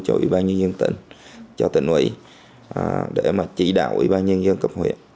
cho ủy ban nhân dân tỉnh cho tỉnh ủy để mà chỉ đạo ủy ban nhân dân cấp huyện